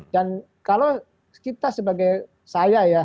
dan kalau kita sebagai saya ya